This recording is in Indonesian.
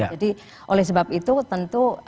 jadi oleh sebab itu tentu